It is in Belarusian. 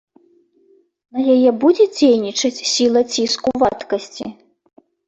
На яе будзе дзейнічаць сіла ціску вадкасці?